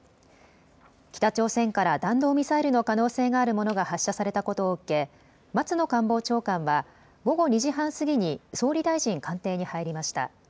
北朝鮮から弾道ミサイルの可能性があるものが発射されたことを受け、松野官房長官は午後２時半過ぎに総理大臣官邸に入りました。